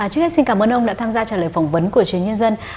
trước hết xin cảm ơn ông đã tham gia trả lời phỏng vấn của truyền nhân dân